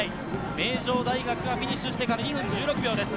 名城大学がフィニッシュしてから２分１６秒です。